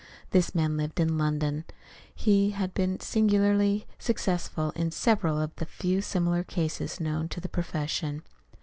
This man lived in London. He had been singularly successful in several of the few similar cases known to the profession.